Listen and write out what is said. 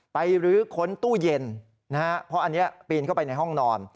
รื้อค้นตู้เย็นนะฮะเพราะอันนี้ปีนเข้าไปในห้องนอน